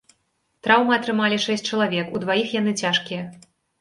Траўмы атрымалі шэсць чалавек, у дваіх яны цяжкія.